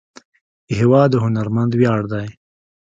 هېواد د هنرمند ویاړ دی.